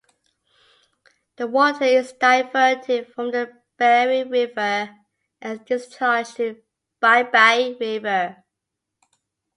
The water is diverted from the Bheri River and discharged to Babai River.